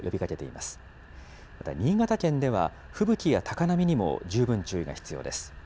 また新潟県では、吹雪や高波にも十分注意が必要です。